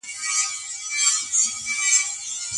ولي د لري واټن زده کړه له حضوري ټولګیو څخه جلا ده؟